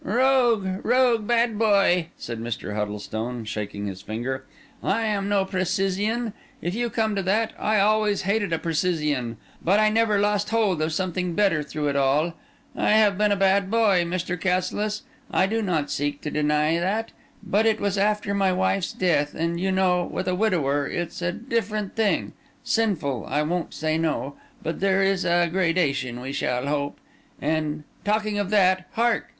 "Rogue, rogue! bad boy!" said Mr. Huddlestone, shaking his finger. "I am no precisian, if you come to that; I always hated a precisian; but I never lost hold of something better through it all. I have been a bad boy, Mr. Cassilis; I do not seek to deny that; but it was after my wife's death, and you know, with a widower, it's a different thing: sinful—I won't say no; but there is a gradation, we shall hope. And talking of that—Hark!"